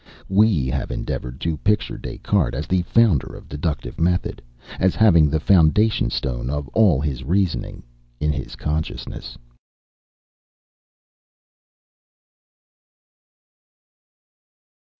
We have endeavored to picture Des Cartes as the founder of the deductive method, as having the foundation stone of all his reasoning in his consciousness.